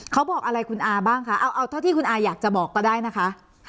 เขาบอกอะไรคุณอาบ้างคะเอาเท่าที่คุณอาอยากจะบอกก็ได้นะคะ